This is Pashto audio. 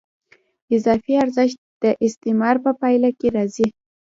اضافي ارزښت د استثمار په پایله کې راځي